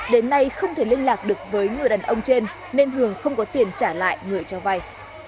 đến nay không thể liên lạc được với người đàn ông trên nên hường không có tiền trả lại người cho vay